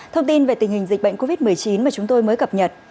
thông tin về tình hình dịch bệnh covid một mươi chín mà chúng tôi mới cập nhật